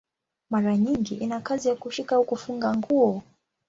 Mara nyingi ina kazi ya kushika au kufunga nguo.